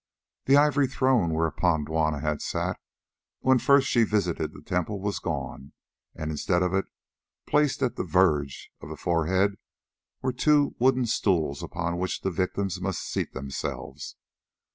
The ivory throne whereon Juanna had sat when first she visited the temple was gone, and instead of it, placed at the very verge of the forehead, were two wooden stools upon which the victims must seat themselves.